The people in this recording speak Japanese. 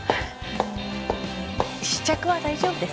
うん試着は大丈夫です